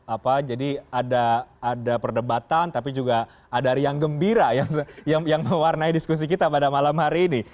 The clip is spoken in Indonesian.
apa jadi ada perdebatan tapi juga ada riang gembira yang mewarnai diskusi kita pada malam hari ini